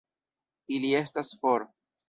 Ili estas for!